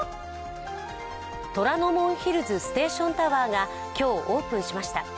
虎ノ門ヒルズステーションタワーが今日、オープンしました。